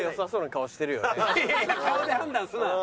顔で判断すな！